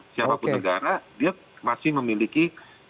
siapapun negara dia masih memiliki kewajiban yang sebegini